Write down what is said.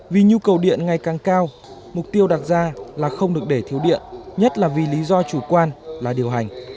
vì nhu cầu điện ngày càng cao mục tiêu đặt ra là không được để thiếu điện nhất là vì lý do chủ quan là điều hành